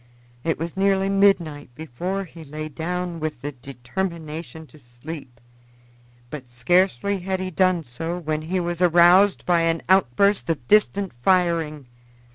It was nearly midnight before he lay down with the determination to sleep, but scarcely had he done so when he was aroused by an outburst of distant firing.